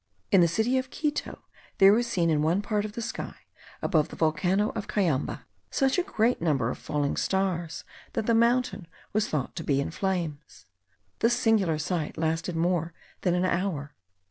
In the city of Quito there was seen in one part of the sky, above the volcano of Cayamba, such great numbers of falling stars, that the mountain was thought to be in flames. This singular sight lasted more than an hour.